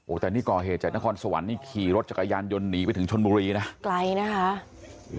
แต่นี่ก่อเหตุจากนครสวรรค์นี่ขี่รถจักรยานยนต์หนีไปถึงชนบุรีนะไกลนะคะ